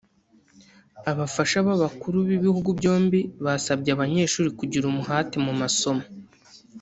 Abafasha b’Abakuru b’Ibihugu byombi basabye abanyeshuri kugira umuhate mu masomo